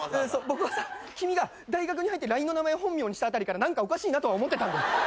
僕はさ君が大学に入ってＬＩＮＥの名前を本名にしたあたりから何かおかしいなとは思ってたんだよ。